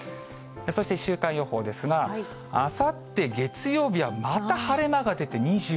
そして週間予報ですが、あさって月曜日はまた晴れ間が出て２６度。